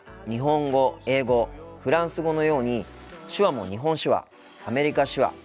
日本語英語フランス語のように手話も日本手話アメリカ手話